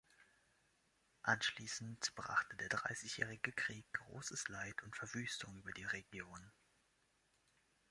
Anschließend brachte der Dreißigjährige Krieg großes Leid und Verwüstung über die Region.